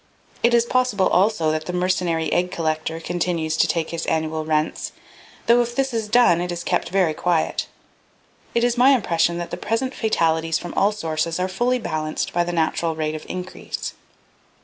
It is possible, also, that the mercenary egg collector continues to take his annual rents, though if this is done it is kept very quiet. It is my impression that the present fatalities from all sources are fully balanced by the natural rate of increase.